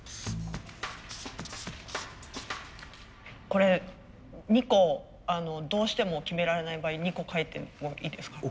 これ２個どうしても決められない場合２個かいてもいいですか？